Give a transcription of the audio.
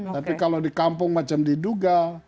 tapi kalau di kampung seperti di duga